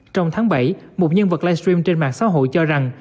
trong tháng bảy một nhân vật live stream trên mạng xã hội cho rằng